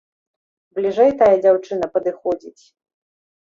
Бліжэй тая дзяўчына падыходзіць.